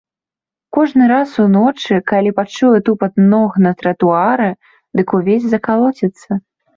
Кожны раз уночы, калі пачуе тупат ног на тратуары, дык увесь закалоціцца.